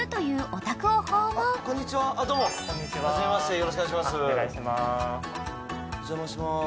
お邪魔します。